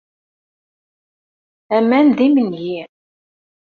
Aman d imengi.